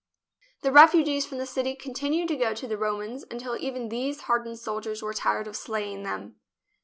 The refugees from the city continued to go to the Romans until even these hardened soldiers were tired of slaying them.